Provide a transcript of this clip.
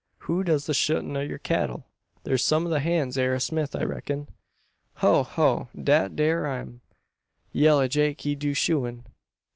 "Who does the shoein' o' yur cattle? Thars some o' the hands air a smith, I reck'n?" "Ho! ho! Dat dere am. Yella Jake he do shoein'.